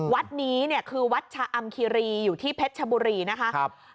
วัดนี้เนี่ยคือวัดชะอำคิรีอยู่ที่เพชรชบุรีนะคะ